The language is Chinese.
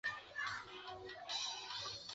崇祯十三年因巡城坠马而卒。